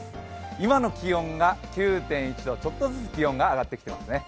今の気温が９．１度ちょっとずつ気温が上がってきていますね。